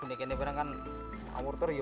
ini harus dikonsumsi oleh rakyat